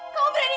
kamu beraninya ya